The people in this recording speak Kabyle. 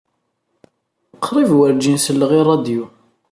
Qrib werjin selleɣ i ṛṛadyu.